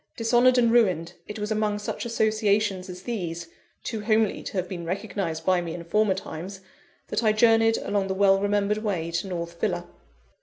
Dishonoured and ruined, it was among such associations as these too homely to have been recognised by me in former times that I journeyed along the well remembered way to North Villa.